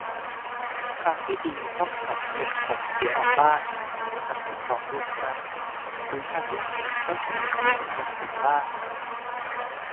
ทางที่ดีต้องหัดเล็มผมเสียออกบ้าง สัก สิบสอง เดือนครั้ง หรือทางเลือกหนึ่งก็คือเปลี่ยนทรงผมบ้าง